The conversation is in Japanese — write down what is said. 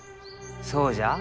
そうじゃあ。